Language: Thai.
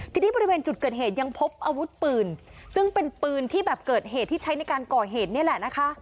ทีนี้บริเวณจุดเกิดเหตุยังพบอาวุธปืนซึ่งเป็นปืนที่แบบเกิดเหตุที่ใช้ในการก่อเหตุนี่แหละนะคะ